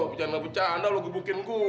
bercanda bercanda lo gebukin gue